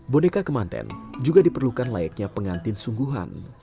boneka kemanten juga diperlukan layaknya pengantin sungguhan